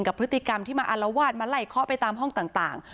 กับพฤติกรรมที่มาอารวาสมาไล่เคาะไปตามห้องต่าง